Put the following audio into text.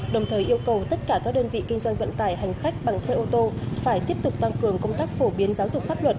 đồng thời yêu cầu tất cả các đơn vị kinh doanh vận tải hành khách bằng xe ô tô phải tiếp tục tăng cường công tác phổ biến giáo dục pháp luật